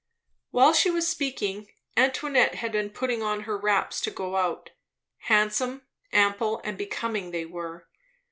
While she was speaking, Antoinette had been putting on her wraps to go out; handsome, ample, and becoming they were.